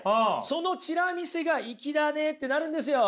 そのチラ見せがいきだねってなるんですよ。